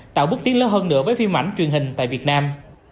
tạo bước tiến lớn hơn nữa với phim ảnh truyền hình tại việt nam